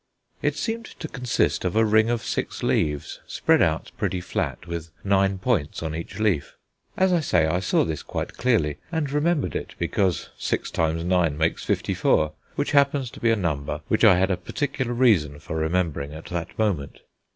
It seemed to consist of a ring of six leaves spread out pretty flat with nine points on each leaf. As I say, I saw this quite clearly, and remembered it because six times nine makes fifty four, which happens to be a number which I had a particular reason for remembering at that moment.